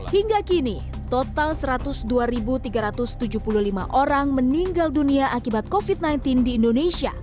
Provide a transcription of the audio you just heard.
hingga kini total satu ratus dua tiga ratus tujuh puluh lima orang meninggal dunia akibat covid sembilan belas di indonesia